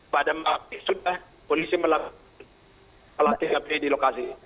pada waktu itu sudah polisi melakukan pelatihan di lokasi